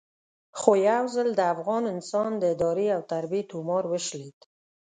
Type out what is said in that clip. خو یو ځل د افغان انسان د ادارې او تربیې تومار وشلېد.